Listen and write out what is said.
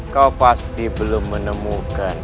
kau pasti belum menemukan